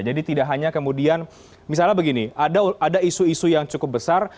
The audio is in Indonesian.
jadi tidak hanya kemudian misalnya begini ada isu isu yang cukup besar